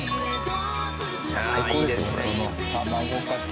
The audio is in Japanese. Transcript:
最高ですよこれ。